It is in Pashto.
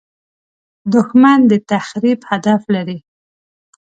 دښمن د تخریب هدف لري